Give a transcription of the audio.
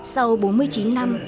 sau bốn mươi chín năm